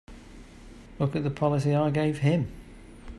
Look at the policy I gave him!